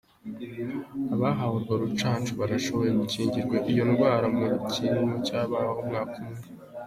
Abahawe urwo rucanco barashoboye gukingirwa iyo ngwara mu kiringo cababa umwaka umwe.